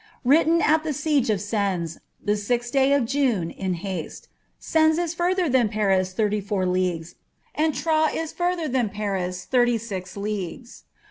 Written at the siege at Sens, the Cth day of June, in haste, ^ens is further than Paris thir^ four leagues, and Troyes is furttier than Paris thirty six leagues.